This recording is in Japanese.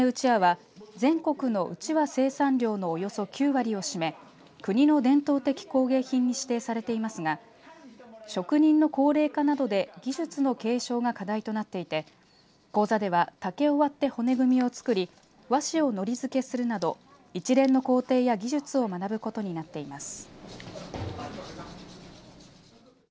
丸亀うちわは全国のうちは生産量のおよそ９割を占め国の伝統的工芸品に指定されていますが職人の高齢化などで技術の継承が課題となっていて講座では竹を割って骨組みを作り和紙をのり付けするなど一連の工程や技術などを学ぶことになっています。